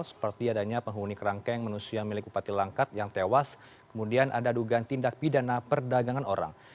seperti adanya penghuni kerangkeng manusia milik upati langkat yang tewas kemudian ada dugaan tindak pidana perdagangan orang